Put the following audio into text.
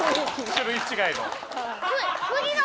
種類違いの。